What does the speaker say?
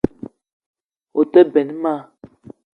Woua te benn ma